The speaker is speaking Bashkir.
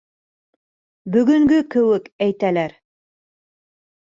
Бөгөнгө кеүек әйтәләр.